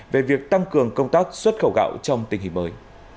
về việc tăng cường công tác xuất khẩu gạo trong tình hình mới